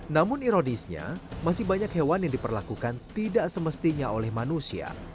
namun ironisnya masih banyak hewan yang diperlakukan tidak semestinya oleh manusia